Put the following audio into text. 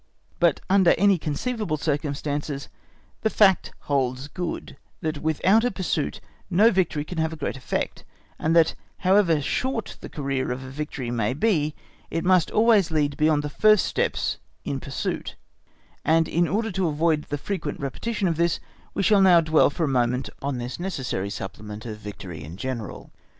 But under any conceivable circumstances the fact holds good, that without a pursuit no victory can have a great effect, and that, however short the career of victory may be, it must always lead beyond the first steps in pursuit; and in order to avoid the frequent repetition of this, we shall now dwell for a moment on this necessary supplement of victory in general.